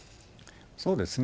そうですね。